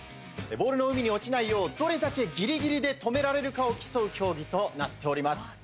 ボールの海に落ちないようどれだけギリギリで止められるかを競う競技となっております。